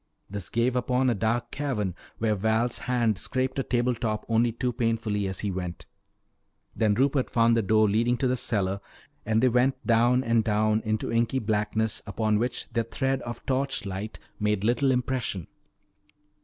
This gave upon a dark cavern where Val's hand scraped a table top only too painfully as he went. Then Rupert found the door leading to the cellar, and they went down and down into inky blackness upon which their thread of torch light made little impression.